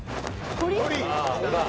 鳥？